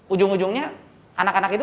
ujung ujungnya anak anak itu